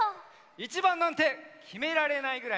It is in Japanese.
いちばんなんてきめられないぐらいね！